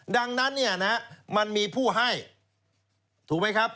ดังนั้นมันมีผู้ให้ถูกไหมครับ